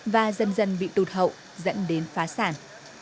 và dần dần bị tụt hậu dẫn đến phá sản